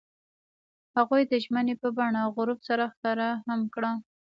هغوی د ژمنې په بڼه غروب سره ښکاره هم کړه.